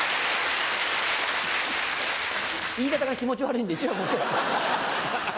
言い方が気持ち悪いんで１枚持ってって。